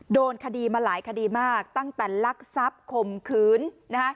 โดนคดีมาหลายคดีมากตั้งแต่ลักทรัพย์ข่มขืนนะฮะ